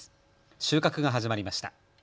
収穫が始まりました。